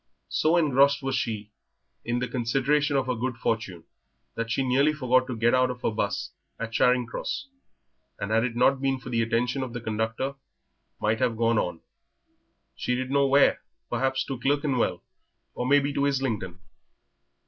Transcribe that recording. So engrossed was she in the consideration of her good fortune that she nearly forgot to get out of her 'bus at Charing Cross, and had it not been for the attention of the conductor might have gone on, she did not know where perhaps to Clerkenwell, or may be to Islington.